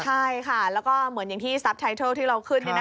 ใช่ค่ะแล้วก็เหมือนที่ทรัพย์ที่เราขึ้น